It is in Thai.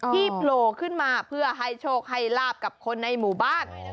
โผล่ขึ้นมาเพื่อให้โชคให้ลาบกับคนในหมู่บ้าน